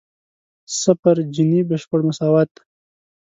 صفر جیني بشپړ مساوات دی.